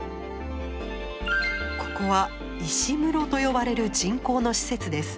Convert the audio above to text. ここは「石室」と呼ばれる人工の施設です。